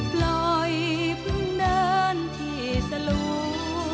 ปล่อยเพิ่งเดินที่สลู